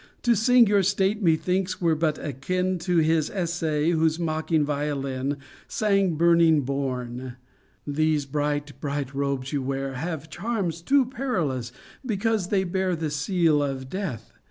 To sing your state, methinks, were bat akin To his essay whose mocking violin Sang burning Borne. These bright, bright robes you wear Have charms too perilous, because they bear The seal of Death.